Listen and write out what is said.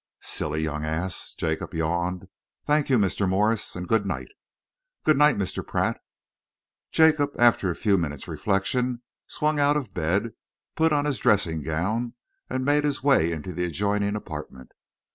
"Silly young ass!" Jacob yawned. "Thank you, Mr. Morse, and good night." "Good night, Mr. Pratt." Jacob, after a few minutes' reflection, swung out of bed, put on his dressing gown, and made his way into the adjoining apartment.